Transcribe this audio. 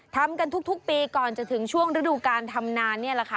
ทำกันทุกปีก่อนจะถึงช่วงฤดูการทำนานนี่แหละค่ะ